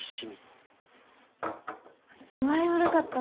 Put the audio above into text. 具合悪かった？